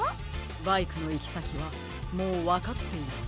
バイクのいきさきはもうわかっています。